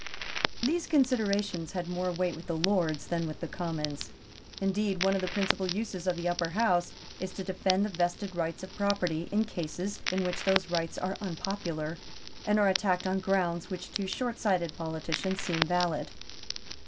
These considerations had more weight with the Lords than with the Commons. Indeed one of the principal uses of the Upper House is to defend the vested rights of property in cases in which those rights are unpopular, and are attacked on grounds which to shortsighted politicians seem valid.